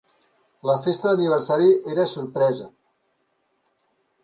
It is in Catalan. La festa d'aniversari era sorpresa.